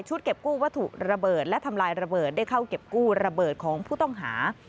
เก็บกู้วัตถุระเบิดและทำลายระเบิดได้เข้าเก็บกู้ระเบิดของผู้ต้องหา